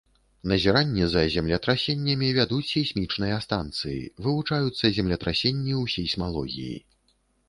Назіранні за землетрасеннямі вядуць сейсмічныя станцыі, вывучаюцца землетрасенні ў сейсмалогіі.